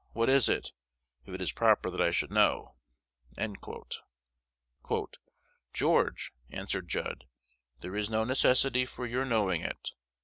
What is it, if it is proper that I should know?" "George," answered Judd, "there is no necessity for your knowing it.